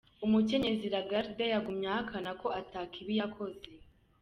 Umukenyezi Lagarde yagumye ahakana ko ata kibi yakoze.